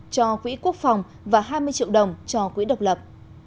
cho quỹ quốc phòng và hai mươi triệu đồng cho quỹ độc lập